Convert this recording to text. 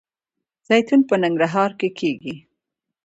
زیتون په ننګرهار کې کیږي